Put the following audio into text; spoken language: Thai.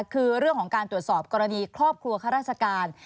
คือเรื่องของการตรวจสอบกรณีครอบครัวข้าราชการ